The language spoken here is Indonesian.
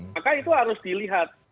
maka itu harus dilihat